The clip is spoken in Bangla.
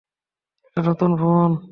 এটা নতুন ফোন।